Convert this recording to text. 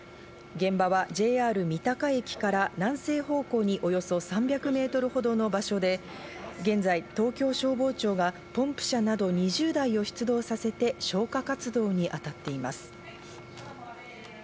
現場はＪＲ三鷹駅から南西方向におよそ３００メートルほどの場所で、現在、東京消防庁がポンプ車など２０台を出動させて消火活動に当たっています。